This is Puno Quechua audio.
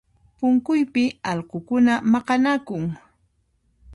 Punkuypi allqukuna maqanakun